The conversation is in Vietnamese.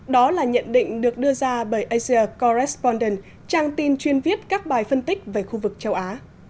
đó là nhận định được đưa ra bởi asia coretonden trang tin chuyên viết các bài phân tích về khu vực châu á